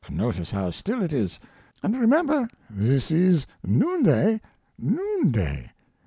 notice how still it is; and remember this is noonday noonday.